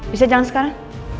bisa jalan sekarang